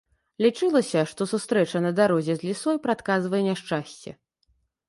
Лічылася, што сустрэча на дарозе з лісой прадказвае няшчасце.